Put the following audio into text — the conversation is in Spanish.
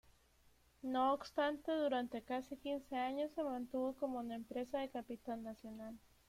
No obstante, durante casi quince años se mantuvo como una empresa de capital nacional.